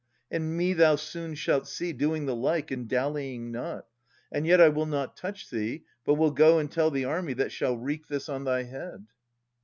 And me thou soon shalt see Doing the like and dallying not !— And yet I will not touch thee, but will go and tell The army, that shall wreak this on thy head.